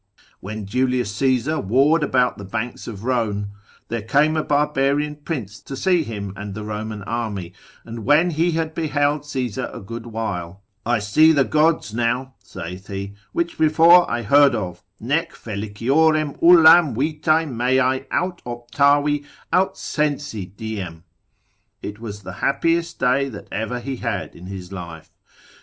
When Julius Caesar warred about the banks of Rhone, there came a barbarian prince to see him and the Roman army, and when he had beheld Caesar a good while, I see the gods now (saith he) which before I heard of, nec feliciorem ullam vitae meae aut optavi, aut sensi diem: it was the happiest day that ever he had in his life.